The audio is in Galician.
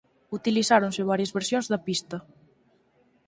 Utilizáronse varias versións da pista.